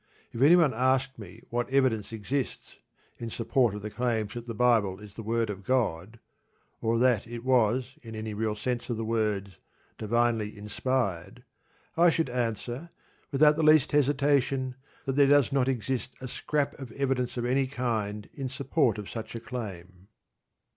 If anyone asked me what evidence exists in support of the claims that the Bible is the word of God, or that it was in any real sense of the words "divinely inspired," I should answer, without the least hesitation, that there does not exist a scrap of evidence of any kind in support of such a claim.